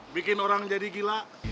bikin orang jadi gila